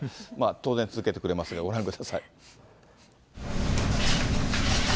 当然、続けてくれますが、ご覧ください。